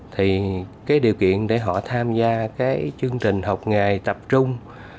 thì cái điều kiện để họ tham gia cái chương trình học nghề tập trung